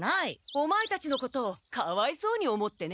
オマエたちのことをかわいそうに思ってね。